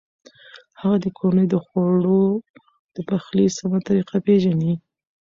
هغه د کورنۍ د خوړو د پخلي سمه طریقه پېژني.